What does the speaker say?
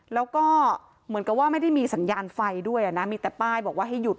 แล้วก็เหมือนกับว่าไม่ได้มีสัญญาณไฟด้วยนะมีแต่ป้ายบอกว่าให้หยุด